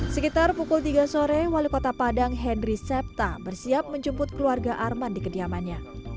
sekitar pukul tiga sore wali kota padang henry septa bersiap menjemput keluarga arman di kediamannya